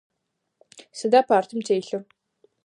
Сыда партым телъыр?